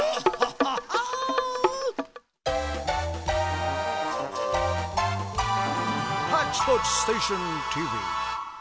「ハッチポッチステーションＴＶ」。